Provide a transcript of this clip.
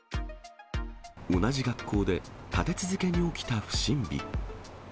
同じ学校で立て続けに起きた不審火。